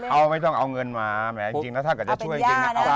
เอาเงินมาเอาเป็นย่านะ